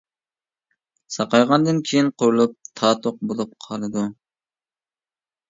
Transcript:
ساقايغاندىن كېيىن قورۇلۇپ تاتۇق بولۇپ قالىدۇ.